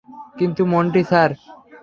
কিন্তু, Monty sir.